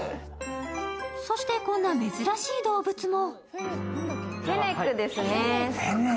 そしてこんな珍しい動物も。